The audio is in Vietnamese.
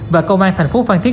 và công an thành phố phan thiết